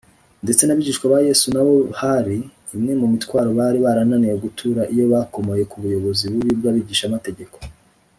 ndetse n’abigishwa ba yesu nabo hari imwe mu mitwaro bari barananiwe gutura, iyo bakomoye ku buyobozi bubi bw’abigishamategeko